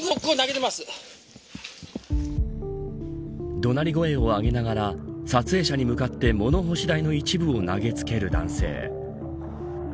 怒鳴り声を上げながら撮影者に向かって物干し台の一部を投げつける男性。